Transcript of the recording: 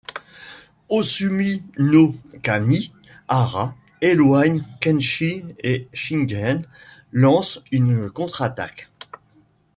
Osumi-no-kami Hara éloigne Kenshin et Shingen lance une contre-attaque.